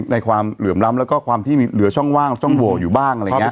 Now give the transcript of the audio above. ความเหลื่อมล้ำแล้วก็ความที่เหลือช่องว่างช่องโหวอยู่บ้างอะไรอย่างนี้